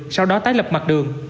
sau đó tái lập mặt đường